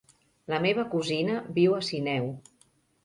La meva cosina viu a Sineu.